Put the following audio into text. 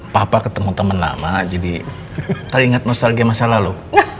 papa ketemu teman lama jadi teringat nostalgia masa lalu